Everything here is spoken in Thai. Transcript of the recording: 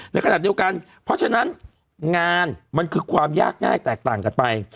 ในขณะเดียวกันเพราะฉะนั้นงานมันคือความยากง่ายแตกต่างกันไป